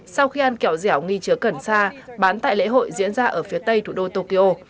sau khi ăn kẹo dẻo nghi chứa cần xa bán tại lễ hội diễn ra ở phía tây thủ đô tokyo